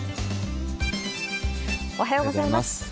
おはようございます。